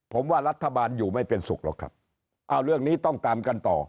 ผมว่ารัฐบาลอยู่ไม่เป็นสุขหรอกครับอ้าวเรื่องนี้ต้องตามกันต่อ